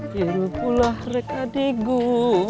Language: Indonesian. jadul pulah rekadegung